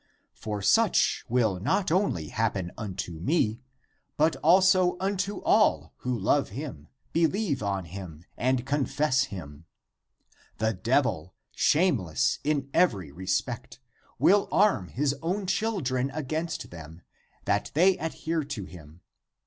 For such will not only happen unto me, but also unto all who love him, believe on him, and confess him. The devil, shame less in every respect, will arm his own children against them, that they adhere to him.